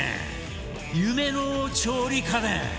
夢の調理家電！